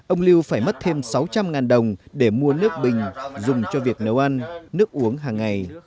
ông lưu phải mất thêm sáu trăm linh đồng để mua nước bình dùng cho việc nấu ăn nước uống hàng ngày